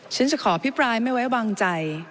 ฉันจะขออภิปรายไม่ไว้วางใจ